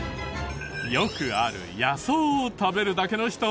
よくある野草を食べるだけの人？